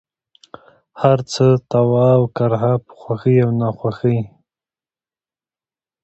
هرڅه، طوعا اوكرها ، په خوښۍ او ناخوښۍ،